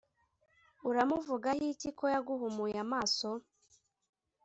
uramuvugaho iki ko yaguhumuye amaso?